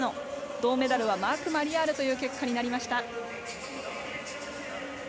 銅メダルはマーク・マリヤールという結果になりました。